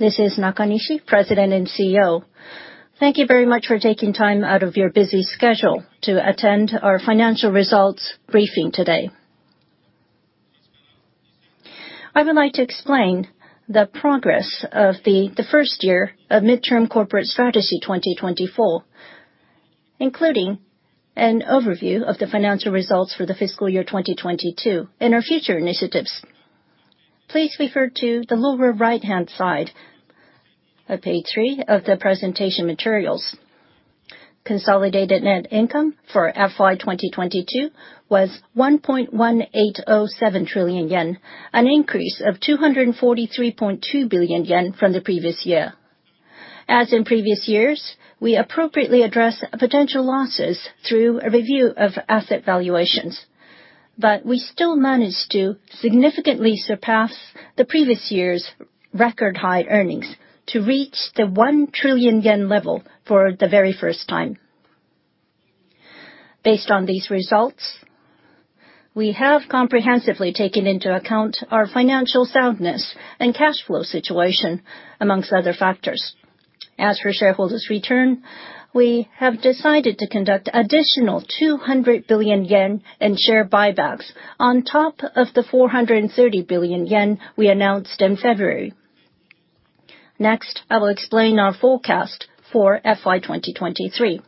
This is Nakanishi, President and CEO. Thank you very much for taking time out of your busy schedule to attend our financial results briefing today. I would like to explain the progress of the first year of Midterm Corporate Strategy 2024, including an overview of the financial results for the fiscal year 2022, and our future initiatives. Please refer to the lower right-hand side of page three of the presentation materials. Consolidated net income for FY 2022 was 1.1807 trillion yen, an increase of 243.2 billion yen from the previous year. As in previous years, we appropriately address potential losses through a review of asset valuations. We still managed to significantly surpass the previous year's record high earnings to reach the 1 trillion yen level for the very first time. Based on these results, we have comprehensively taken into account our financial soundness and cash flow situation, amongst other factors. As for shareholders return, we have decided to conduct additional 200 billion yen in share buybacks on top of the 430 billion yen we announced in February. I will explain our forecast for FY 2023.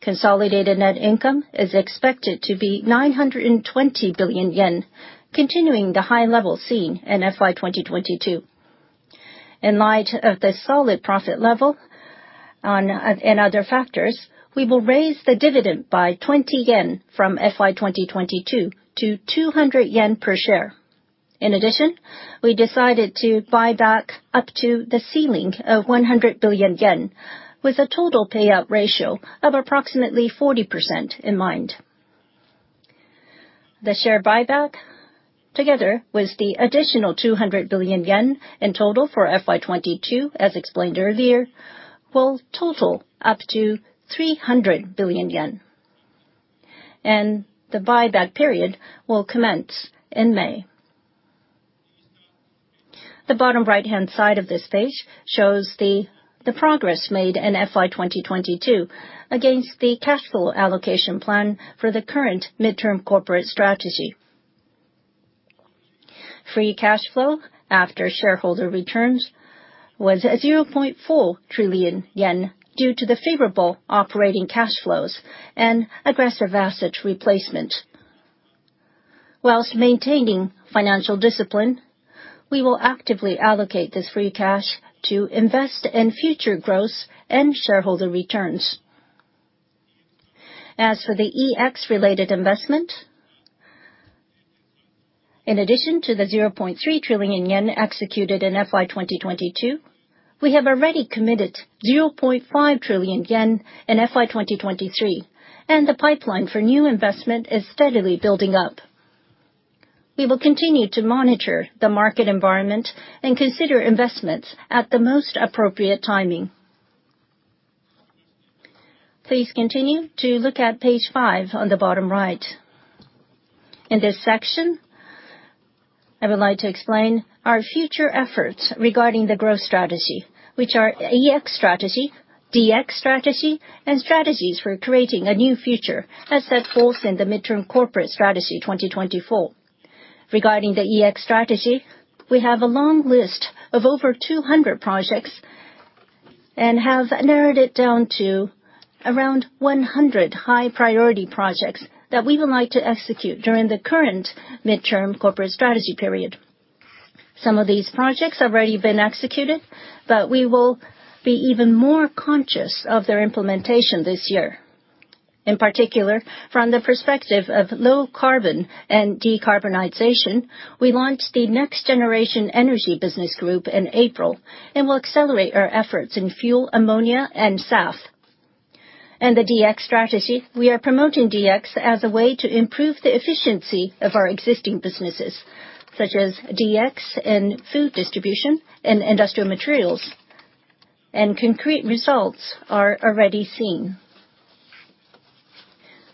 Consolidated net income is expected to be 920 billion yen, continuing the high level seen in FY 2022. In light of the solid profit level and other factors, we will raise the dividend by 20 yen from FY 2022 to 200 yen per share. We decided to buy back up to the ceiling of 100 billion yen, with a total payout ratio of approximately 40% in mind. The share buyback, together with the additional 200 billion yen in total for FY 2022, as explained earlier, will total up to 300 billion yen, the buyback period will commence in May. The bottom right-hand side of this page shows the progress made in FY 2022 against the cash flow allocation plan for the current Midterm Corporate Strategy. free cash flow after shareholder returns was 0.4 trillion yen due to the favorable operating cash flows and aggressive asset replacement. While maintaining financial discipline, we will actively allocate this free cash to invest in future growth and shareholder returns. As for the EX related investment, in addition to the 0.3 trillion yen executed in FY 2022, we have already committed 0.5 trillion yen in FY 2023, the pipeline for new investment is steadily building up. We will continue to monitor the market environment and consider investments at the most appropriate timing. Please continue to look at page five on the bottom right. In this section, I would like to explain our future efforts regarding the growth strategy, which are EX strategy, DX strategy, and strategies for creating a new future, as set forth in the Midterm Corporate Strategy 2024. Regarding the EX strategy, we have a long list of over 200 projects and have narrowed it down to around 100 high priority projects that we would like to execute during the current Midterm Corporate Strategy period. Some of these projects have already been executed, but we will be even more conscious of their implementation this year. In particular, from the perspective of low carbon and decarbonization, we launched the Next-Generation Energy Business Group in April and will accelerate our efforts in fuel, ammonia, and SAF. In the DX strategy, we are promoting DX as a way to improve the efficiency of our existing businesses, such as DX and food distribution and industrial materials, and concrete results are already seen.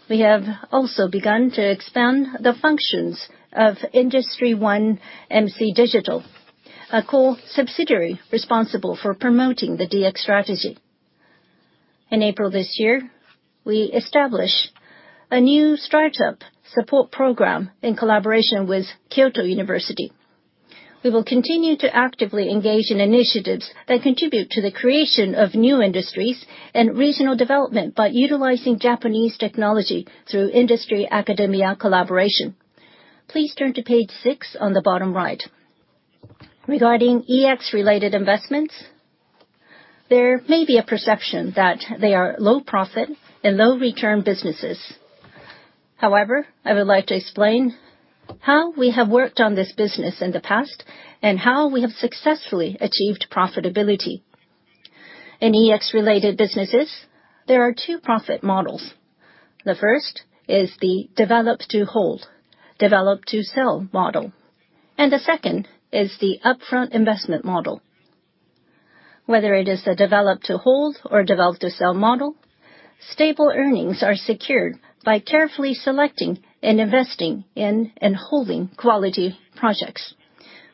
We have also begun to expand the functions of Industry One MC Digital, a core subsidiary responsible for promoting the DX strategy. In April this year, we established a new startup support program in collaboration with Kyoto University. We will continue to actively engage in initiatives that contribute to the creation of new industries and regional development by utilizing Japanese technology through industry academia collaboration. Please turn to page six on the bottom right. Regarding EX related investments, there may be a perception that they are low profit and low return businesses. I would like to explain how we have worked on this business in the past and how we have successfully achieved profitability. In EX related businesses, there are two profit models. The first is the develop to hold, develop to sell model, and the second is the upfront investment model. Whether it is the develop to hold or develop to sell model, stable earnings are secured by carefully selecting and investing in, and holding quality projects.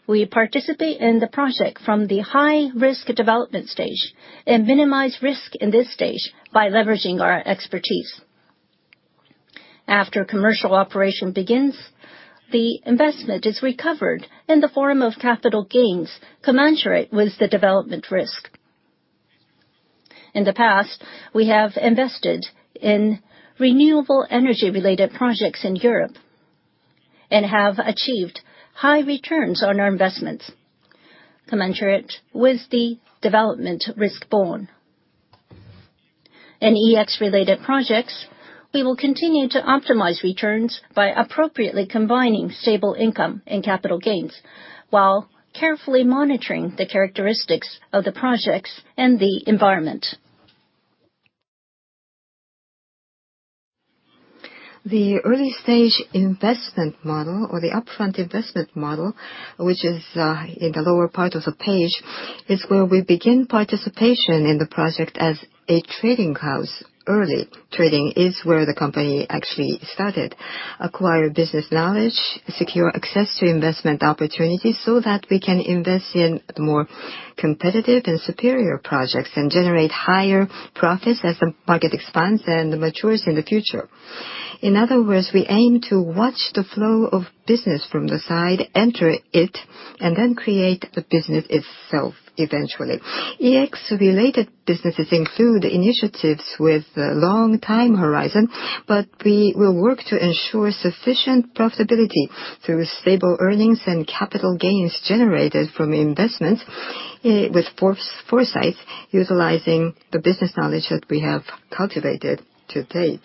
We participate in the project from the high risk development stage, and minimize risk in this stage by leveraging our expertise. After commercial operation begins, the investment is recovered in the form of capital gains commensurate with the development risk. In the past, we have invested in renewable energy-related projects in Europe, and have achieved high returns on our investments commensurate with the development risk borne. In EX-related projects, we will continue to optimize returns by appropriately combining stable income and capital gains, while carefully monitoring the characteristics of the projects and the environment. The early stage investment model, or the upfront investment model, which is in the lower part of the page, is where we begin participation in the project as a trading house early. Trading is where the company actually started. Acquire business knowledge, secure access to investment opportunities so that we can invest in more competitive and superior projects, and generate higher profits as the market expands and matures in the future. In other words, we aim to watch the flow of business from the side, enter it, and then create the business itself eventually. EX-related businesses include initiatives with a long time horizon, but we will work to ensure sufficient profitability through stable earnings and capital gains generated from investments with foresight, utilizing the business knowledge that we have cultivated to date.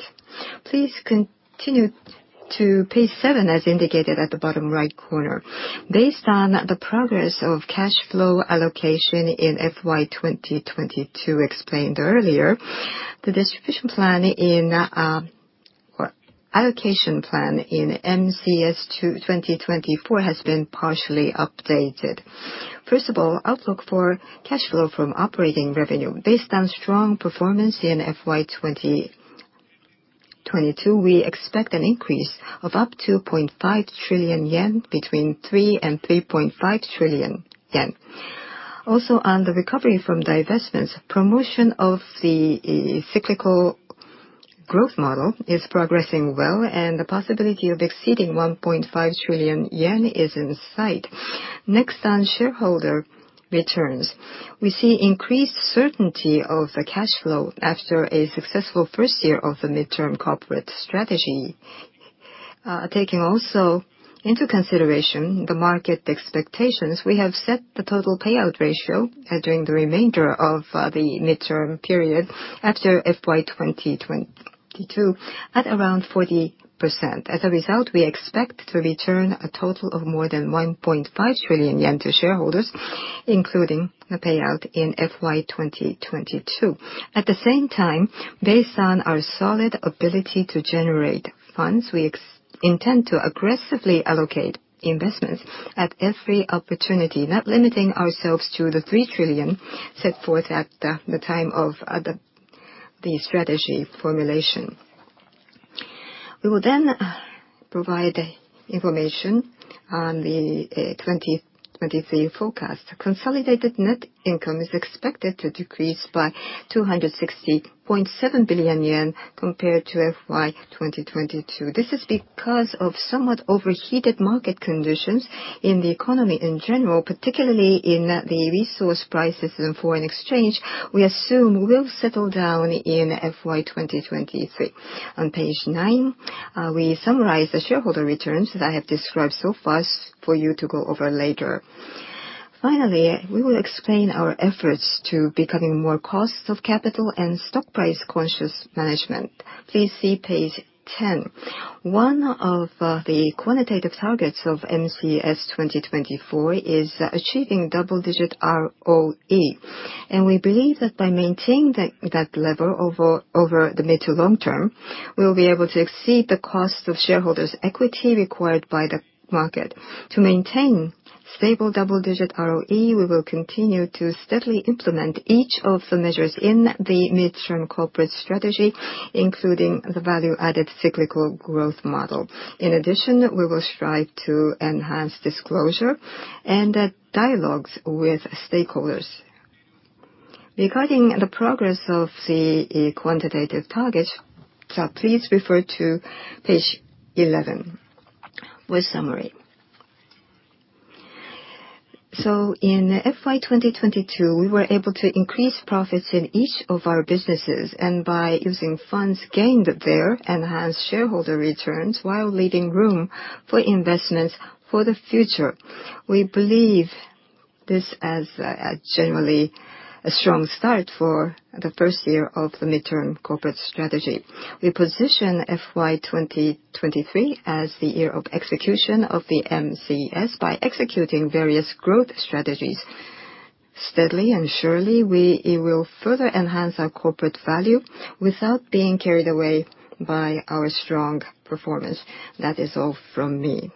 Please continue to page 7 as indicated at the bottom right corner. Based on the progress of cash flow allocation in FY2022 explained earlier, the distribution plan or allocation plan in MCS 2024 has been partially updated. First of all, outlook for cash flow from operating revenue. Based on strong performance in FY2022, we expect an increase of up to 0.5 trillion yen between 3 trillion JPY and 3.5 trillion yen. On the recovery from divestments, promotion of the cyclical growth model is progressing well, and the possibility of exceeding 1.5 trillion yen is in sight. On shareholder returns. We see increased certainty of the cash flow after a successful first year of the midterm corporate strategy. Taking also into consideration the market expectations, we have set the total payout ratio during the remainder of the midterm period after FY2022 at around 40%. We expect to return a total of more than 1.5 trillion yen to shareholders, including the payout in FY 2022. Based on our solid ability to generate funds, we intend to aggressively allocate investments at every opportunity, not limiting ourselves to the 3 trillion set forth at the time of the strategy formulation. We will provide information on the 2023 forecast. Consolidated net income is expected to decrease by 260.7 billion yen compared to FY 2022. This is because of somewhat overheated market conditions in the economy in general, particularly in the resource prices and foreign exchange, we assume will settle down in FY 2023. On page nine, we summarize the shareholder returns that I have described so far for you to go over later. Finally, we will explain our efforts to becoming more cost of capital and stock price conscious management. Please see page 10. One of the quantitative targets of MCS 2024 is achieving double-digit ROE. We believe that by maintaining that level over the mid to long term, we will be able to exceed the cost of shareholders' equity required by the market. To maintain stable double-digit ROE, we will continue to steadily implement each of the measures in the Midterm Corporate Strategy, including the value-added cyclical growth model. In addition, we will strive to enhance disclosure and dialogues with stakeholders. Regarding the progress of the quantitative targets, please refer to page 11 with summary. In FY 2022, we were able to increase profits in each of our businesses, and by using funds gained there, enhance shareholder returns while leaving room for investments for the future. We believe this as generally a strong start for the first year of the Midterm Corporate Strategy. We position FY 2023 as the year of execution of the MCS by executing various growth strategies. Steadily and surely, we will further enhance our corporate value without being carried away by our strong performance. That is all from me.